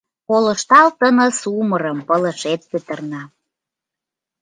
Колыштал тыныс умырым — Пылышет петырна!